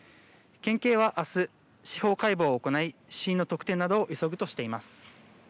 県警は明日、司法解剖を行い死因の特定などを急ぐとしています。